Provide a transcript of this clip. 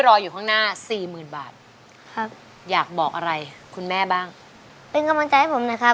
โอ้ยหนูมาปลูกเวที